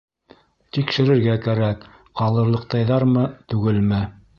Тикшерергә кәрәк, ҡалырлыҡтайҙармы, түгелме?